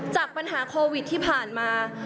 จากปัญหาโควิดที่ผ่านมา